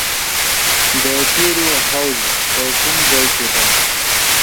د تیلو حوزه په کوم ځای کې ده؟